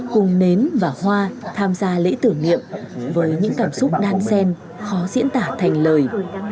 cùng nến và hoa tham gia lễ tưởng niệm với những cảm xúc đan sen khó diễn tả thành lời